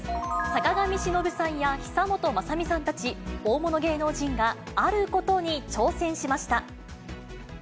坂上忍さんや久本雅美さんたち、大物芸能人があることに挑戦しました。